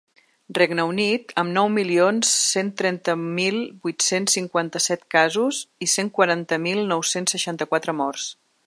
Regne Unit, amb nou milions cent trenta mil vuit-cents cinquanta-set casos i cent quaranta mil nou-cents seixanta-quatre morts.